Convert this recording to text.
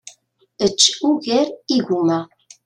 Ečč ugar igumma.